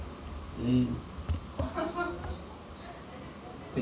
うん。